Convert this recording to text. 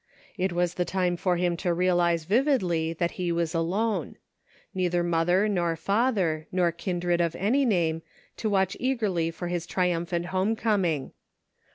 It was the time for him to realize vividly that he was alone. Neither mother nor father, nor kindred of any name, to watch eagerly for his triumphant home coming.